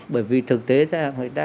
bởi vì thực tế ra